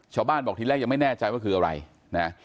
ชาวบ้านบอกทีแรกยังไม่แน่ใจว่าคืออะไรนะ